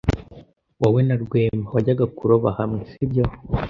Wowe na Rwema wajyaga kuroba hamwe, sibyo?